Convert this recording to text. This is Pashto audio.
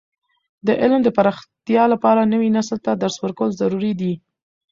د علم د پراختیا لپاره، نوي نسل ته درس ورکول ضروري دي.